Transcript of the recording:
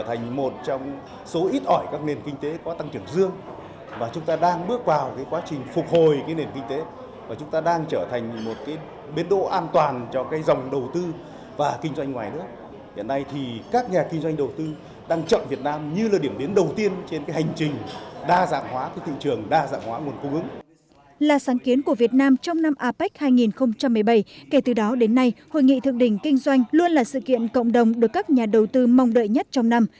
hội nghị thượng đỉnh kinh doanh luôn là sự kiện cộng đồng được các nhà đầu tư mong đợi nhất trong năm